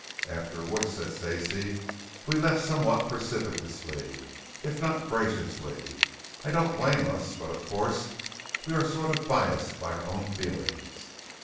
"After which," said Stacey, "we left somewhat precipitously, if not graciously. I don't blame us, but of course, we are sort of biased by our own feelings."